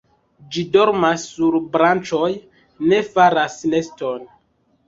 Ĝi dormas sur branĉoj, ne faras neston.